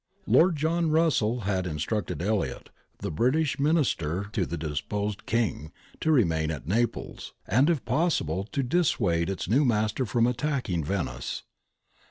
Lord John RuFsell had in structed Elliot, the British Minister to the deposed King, to remain at Naples, and if possible to dissuade its new master from attacking Venice.